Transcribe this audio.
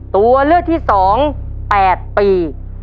ตัวเลือดที่สอง๘ปี